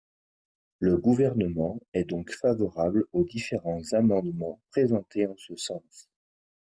Le Gouvernement est donc favorable aux différents amendements présentés en ce sens.